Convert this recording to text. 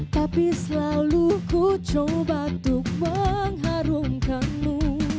tapi selalu ku coba untuk mengharumkanmu